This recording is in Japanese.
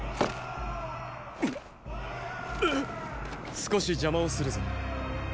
少し邪魔をするぞ。